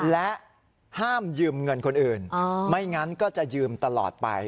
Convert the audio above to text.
และห้ามยืมเงินคนอื่นไม่งั้นก็จะยืมตลอดไป